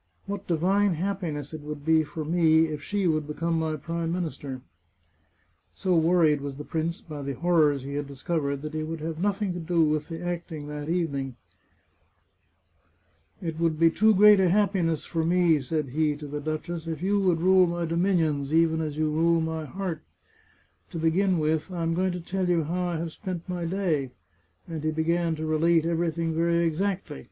What divine happiness it would be for me, if she would become my Prime Minister !" 480 The Chartreuse of Parma So worried was the prince by the horrors he had discov ered, that he would have nothing to do with the acting that evening. " It would be too great a happiness for me," said he to the duchess, " if you would rule my dominions, even as you rule my heart. To begin with, I am going to tell you how I have spent my day." And he began to relate everything very exactly.